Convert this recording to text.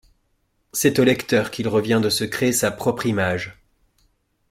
C'est au lecteur qu'il revient de se créer sa propre image.